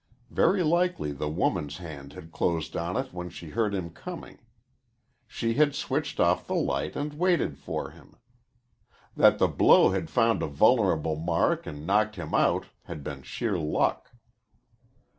Very likely the woman's hand had closed on it when she heard him coming. She had switched off the light and waited for him. That the blow had found a vulnerable mark and knocked him out had been sheer luck.